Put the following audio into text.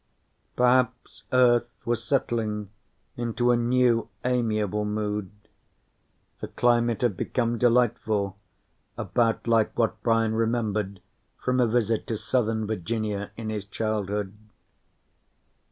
Perhaps Earth was settling into a new, amiable mood. The climate had become delightful, about like what Brian remembered from a visit to southern Virginia in his childhood.